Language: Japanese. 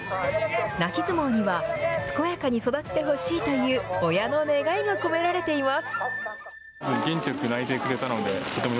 泣き相撲には、健やかに育ってほしいという親の願いが込められています。